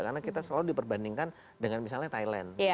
karena kita selalu diperbandingkan dengan misalnya thailand